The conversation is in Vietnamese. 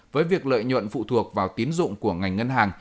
với việc lợi nhuận phụ thuộc vào tiến dụng của ngành ngân hàng